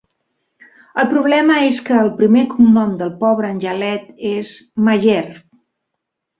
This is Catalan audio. El problema és que el primer cognom del pobre angelet és Mayer.